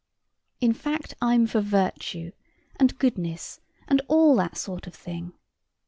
In fact I'm for virtue, and goodness, and all that sort of thing.